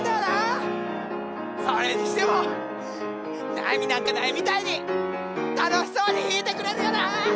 それにしても悩みなんかないみたいに楽しそうに弾いてくれるよな！